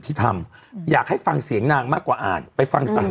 คิดว่าคือความจริงก็